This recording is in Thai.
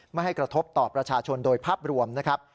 ไม่ให้กระทบต่อประชาชนโดยภาพรวมนะครับ